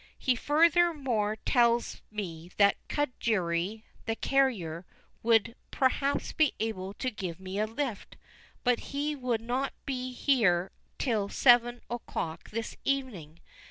He furthermore tells me that Cudgerry, the carrier, would perhaps be able to give me a lift, but he would not be here till seven o'clock this evening.